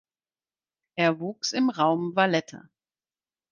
Er wuchs im Raum Valletta.